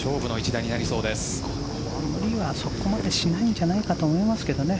転がりはそこまでしないんじゃないかと思いますけどね。